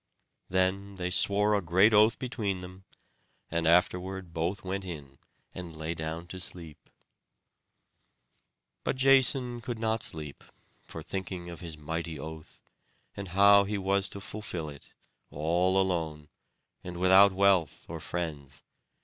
Then they swore a great oath between them; and afterward both went in, and lay down to sleep. But Jason could not sleep, for thinking of his mighty oath, and how he was to fulfil it, all alone, and without wealth or friends.